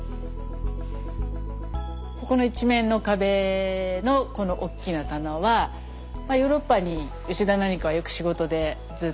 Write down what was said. ここの一面の壁のこのおっきな棚はヨーロッパに吉田なんかはよく仕事でずっと買い付けに行くので。